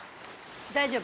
大丈夫？